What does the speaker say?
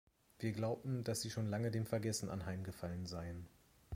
Wir glaubten, dass sie schon lange dem Vergessen anheimgefallen seien.